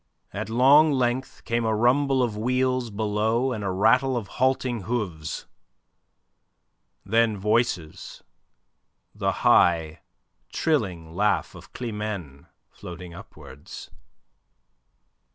At long length came a rumble of wheels below and a rattle of halting hooves. Then voices, the high, trilling laugh of Climene floating upwards.